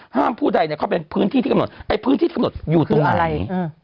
ห้ามพูดใดเขาเป็นพื้นที่ที่กำหนดไอ้พื้นที่ที่กำหนดอยู่ตรงไหน